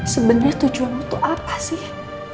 sebenarnya tujuannya itu apa sih